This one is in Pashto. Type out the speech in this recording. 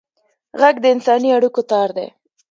غږ د انساني اړیکو تار دی